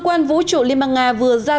cơ quan vũ trụ liên bang nga vừa giải quyết